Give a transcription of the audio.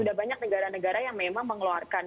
sudah banyak negara negara yang memang mengeluarkan